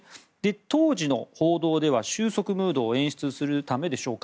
当時の報道では収束ムードを演出するためでしょうか